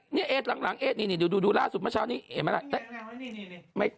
เห้ยเสร็จหลังละเอลมันไง